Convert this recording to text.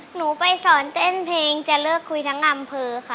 หนูไปสอนเต้นเพลงจะเลิกคุยทั้งอำเภอค่ะ